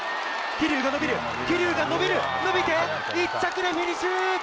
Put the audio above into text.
桐生が伸びる、桐生が伸びる、伸びて、１着でフィニッシュ。